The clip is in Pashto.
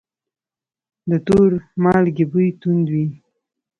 د تور مالګې بوی توند وي.